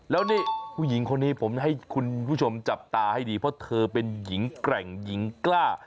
แล้วนี่ผู้หญิงคนนี้ผมให้คุณผู้ชมจับตาให้ดีเพราะเธอเป็นหญิงแกร่งหญิงกล้า